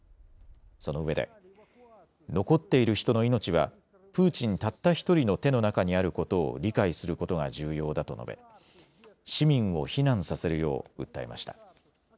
そのうえで残っている人の命はプーチンたった１人の手の中にあることを理解することが重要だと述べ市民を避難させるよう訴えました。